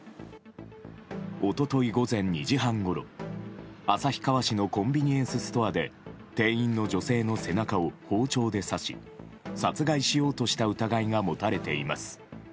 一昨日午前２時半ごろ旭川市のコンビニエンスストアで店員の女性の背中を包丁で刺し殺害しようとした疑いが持たれています。